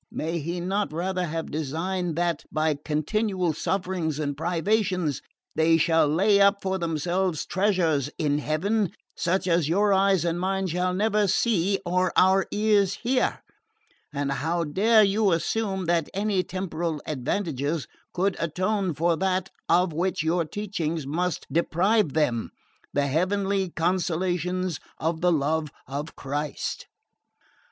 May He not rather have designed that, by continual sufferings and privations, they shall lay up for themselves treasures in Heaven such as your eyes and mine shall never see or our ears hear? And how dare you assume that any temporal advantages could atone for that of which your teachings must deprive them the heavenly consolations of the love of Christ?"